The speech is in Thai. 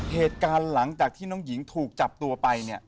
เหตุการณ์หลังจากที่น้องหญิงถูกจับตัวไปเนี่ย